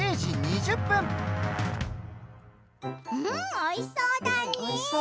おいしそうだね！